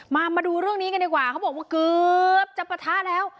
มาดูเรื่องนี้กันดีกว่าเขาบอกว่าเกือบจะปะทะแล้ว